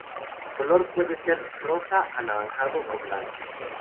Su color puede ser rosa, anaranjado o blanco.